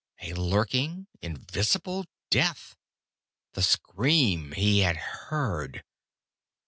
A lurking, invisible death! The scream he had heard....